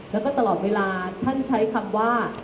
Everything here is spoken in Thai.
แล้วก็ตลอดเวลาท่านใช้คำว่า